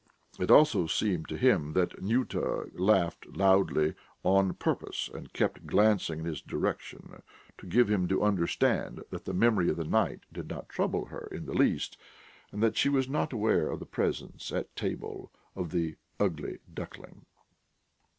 It also seemed to him that Nyuta laughed loudly on purpose, and kept glancing in his direction to give him to understand that the memory of the night did not trouble her in the least, and that she was not aware of the presence at table of the "ugly duckling."